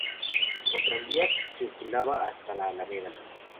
Como tranvía circulaba hasta la Alameda.